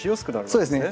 そうですね。